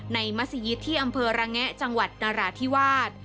มัศยิตที่อำเภอระแงะจังหวัดนราธิวาส